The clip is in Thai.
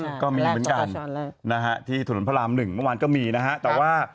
ก็มีเหมือนกันนะฮะที่ถนนพระรามหนึ่งเมื่อวานก็มีนะฮะแต่ว่า